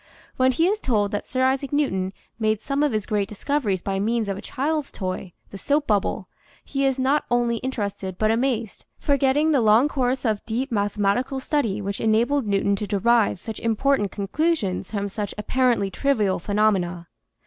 When he is told that Sir Isaac Newton made some of his great discoveries by means of a child's toy the soap bubble he is not only inter ested but amazed, forgetting the long course of deep mathematical study which enabled Newton to derive such important conclusions from such apparently trivial phenom ena.